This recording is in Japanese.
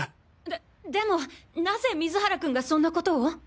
ででもなぜ水原君がそんなコトを？